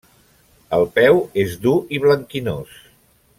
El peu és dur i blanquinós.